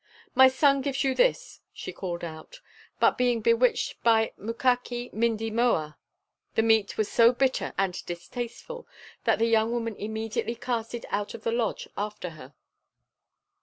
"My son gives you this," she called out. But, being bewitched by Mukakee Mindemoea, the meat was so bitter and distasteful that the young woman immediately cast it out of the lodge after her.